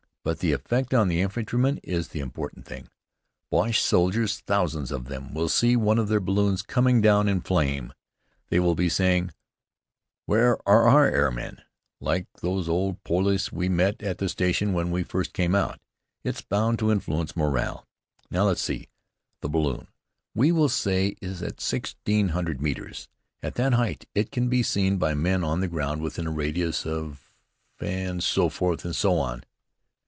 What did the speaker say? But the effect on the infantrymen is the important thing. Boche soldiers, thousands of them, will see one of their balloons coming down in flame. They will be saying, 'Where are our airmen?' like those old poilus we met at the station when we first came out. It's bound to influence morale. Now let's see. The balloon, we will say, is at sixteen hundred metres. At that height it can be seen by men on the ground within a radius of " and so forth and so on.